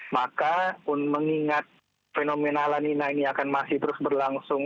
maka mengingat fenomena lanina ini akan masih terus berlangsung